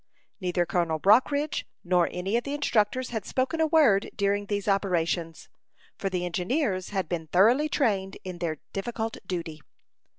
Neither Colonel Brockridge nor any of the instructors had spoken a word during these operations, for the engineers had been thoroughly trained in their difficult duty.